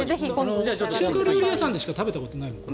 中華料理屋さんでしか食べたことないもん。